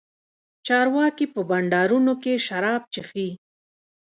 چارواکي په بنډارونو کښې شراب چښي.